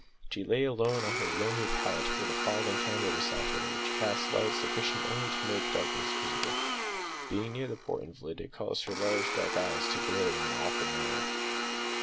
She lay alone on her lonely pallet with a farthing candle beside her, which cast a light sufficient only to make darkness visible. Being near the poor invalid, it caused her large dark eyes to glitter in an awful manner.